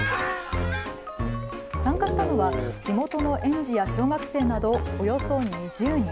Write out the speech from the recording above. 参加したのは地元の園児や小学生などおよそ２０人。